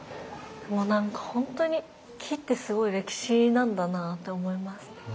もう何かほんとに木ってすごい歴史なんだなって思います。